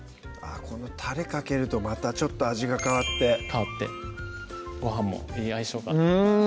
このたれかけるとまたちょっと味が変わって変わってごはんもいい相性かとうん！